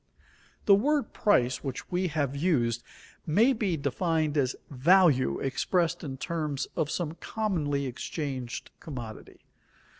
_ The word "price" which we have used, may be defined as value expressed in terms of some commonly exchanged commodity.